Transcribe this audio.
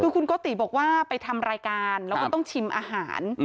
คือคุณโกติบอกว่าไปทำรายการแล้วก็ต้องชิมอาหาร